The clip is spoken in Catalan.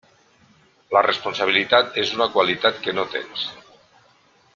La responsabilitat és una qualitat que no tens.